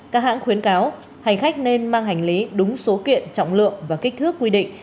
các hãng khuyến cáo hành khách nên mang hành lý đúng số kiện trọng lượng và kích thước quy định